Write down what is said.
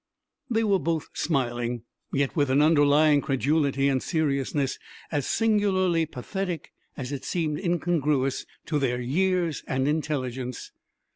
They were both smiling, yet with an underlying credulity and seriousness as singularly pathetic as it seemed incongruous to their years and intelligence.